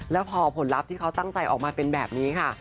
แล้วพอผลลัพธ์ที่เขาตั้งใจออกมาเป็นแบบนี้ค่ะ